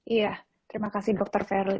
iya terima kasih dr fairly